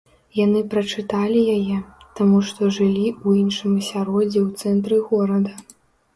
Яны прачыталі яе, таму што жылі ў іншым асяроддзі ў цэнтры горада.